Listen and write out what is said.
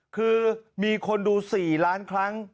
คือมีคนดู๔ล้านครั้ง